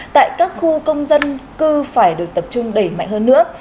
tại các khu công dân cư phải được tập trung đẩy mạnh hơn nữa